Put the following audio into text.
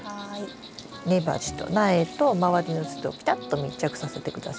根鉢と苗と周りの土とぴたっと密着させてください。